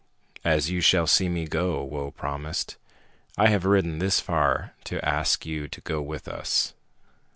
"As you shall see me go," Whoa promised. "I have ridden this far to ask you to go with us."